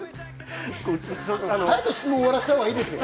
早く質問を終わらせたほうがいいですよ。